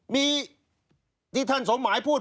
มีที่ท่านสมหมายพูด